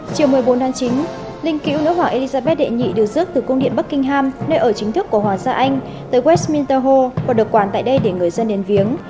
chiều một mươi bốn tháng chín linh cữu nữ hoàng elizabeth đệ nhị được rước từ cung điện buckingham nơi ở chính thức của hoàng gia anh tới westminster hall và được quản tại đây để người dân đến viếng